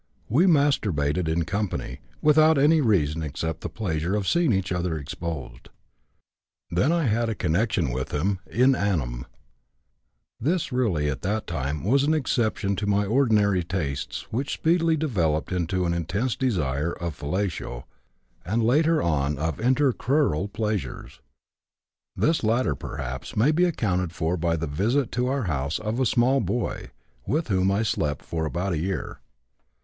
We masturbated in company, without any reason except the pleasure of seeing each other exposed. Then I had connection with him in anum. This really at that time was an exception to my ordinary tastes which speedily developed into an intense desire of fellatio and later on of intercrural pleasures. This latter perhaps may be accounted for by the visit to our house of a small boy with whom I slept for about a year.